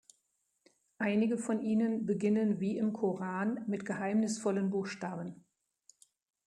Einige von ihnen beginnen wie im Koran mit geheimnisvollen Buchstaben.